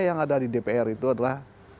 yang ada di dpr itu adalah